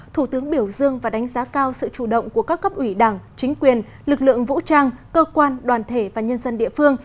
thủ tướng biểu dương và đánh giá cao sự chủ động của các cấp ủy đảng chính quyền lực lượng vũ trang cơ quan đoàn thể và nhân dân địa phương